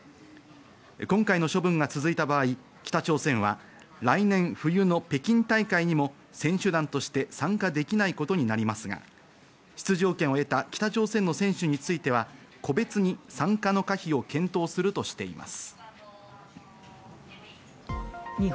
今回の処分が続いた場合、北朝鮮は来年冬の北京大会にも選手団として参加できないことになりますが、出場権を得た北朝鮮の選手については個別に参加の可否を検討するとしています。